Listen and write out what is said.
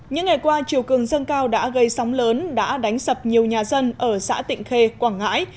những ngày qua chiều cường dâng cao đã gây sóng lớn đã đánh sập nhiều nhà dân ở xã tịnh khê quảng ngãi